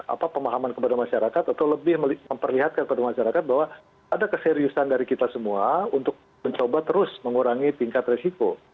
apa pemahaman kepada masyarakat atau lebih memperlihatkan kepada masyarakat bahwa ada keseriusan dari kita semua untuk mencoba terus mengurangi tingkat resiko